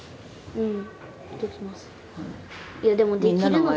うん。